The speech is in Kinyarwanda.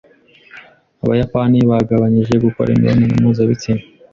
Abayapani bagabanyije gukora imibonano mpuzabitsina